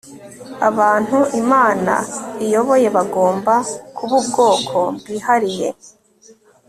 Abantu Imana iyoboye bagomba kuba ubwoko bwihariye